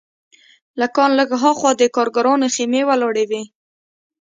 له کان لږ هاخوا د کارګرانو خیمې ولاړې وې